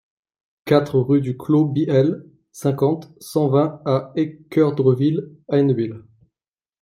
quatre rue du Clos Bihel, cinquante, cent vingt à Équeurdreville-Hainneville